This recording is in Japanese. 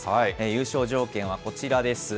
優勝条件はこちらです。